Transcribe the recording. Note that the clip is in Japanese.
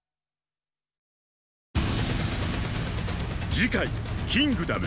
次回「キングダム」